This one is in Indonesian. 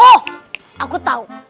oh aku tau